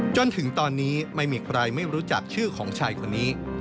จนถึงตอนนี้ไม่มีใครไม่รู้จักชื่อของชายคนนี้